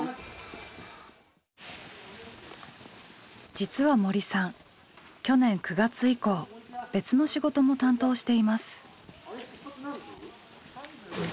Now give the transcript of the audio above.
実は森さん去年９月以降別の仕事も担当しています。